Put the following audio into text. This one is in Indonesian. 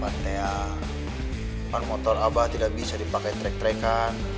makanya depan motor abah tidak bisa dipakai trek trekkan